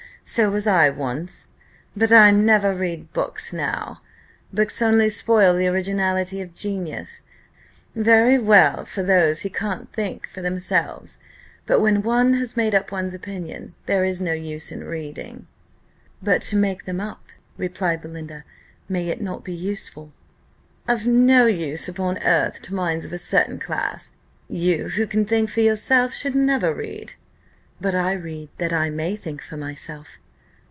So was I once; but I never read now. Books only spoil the originality of genius: very well for those who can't think for themselves but when one has made up one's opinion, there is no use in reading." "But to make them up," replied Belinda, "may it not be useful?" "Of no use upon earth to minds of a certain class. You, who can think for yourself, should never read." "But I read that I may think for myself."